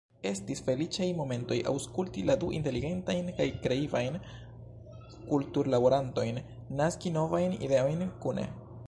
Estis feliĉaj momentoj aŭskulti la du inteligentajn kaj kreivajn ”kulturlaborantojn” naski novajn ideojn kune.